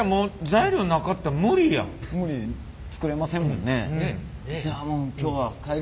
作れませんもんね。